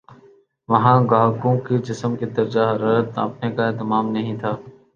وہاں گاہکوں کے جسم کے درجہ حرارت ناپنے کا اہتمام نہیں تھا